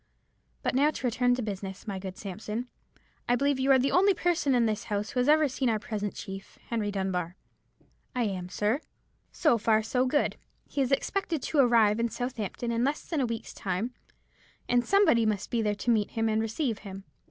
But now to return to business, my good Sampson. I believe you are the only person in this house who has ever seen our present chief, Henry Dunbar." "I am, sir." "So far so good. He is expected to arrive at Southampton in less than a week's time, and somebody must be there to meet him and receive him.